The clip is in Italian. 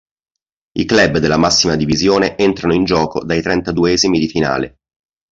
I club della massima divisione entrano in gioco dai trentaduesimi di finale.